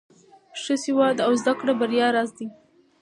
ښه سواد او زده کړه د بریا راز دی.